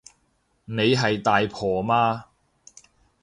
你係大婆嘛